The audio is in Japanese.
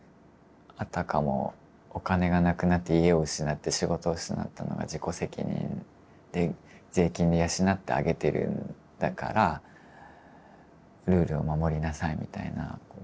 あたかもお金がなくなって家を失って仕事を失ったのは自己責任で税金で養ってあげてるんだからルールを守りなさいみたいな。